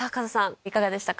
いかがでしたか？